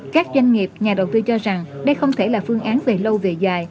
các doanh nghiệp nhà đầu tư cho rằng đây không thể là phương án về lâu về dài